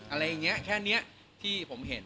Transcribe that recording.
อะไรอย่างนี้แค่นี้ที่ผมเห็น